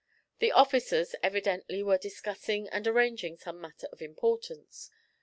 The officers evidently were discussing and arranging some matter of importance.